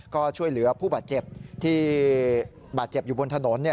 ก็ช่วยเหลือผู้บาดเจ็บที่บาดเจ็บอยู่บนถนน